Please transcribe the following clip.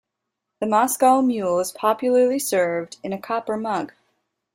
The Moscow mule is popularly served in a copper mug.